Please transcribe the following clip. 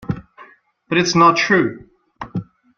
But it's not true.